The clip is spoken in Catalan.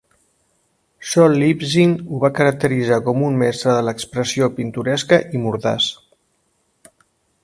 Sol Liptzin ho va caracteritzar com un mestre de l'expressió pintoresca i mordaç.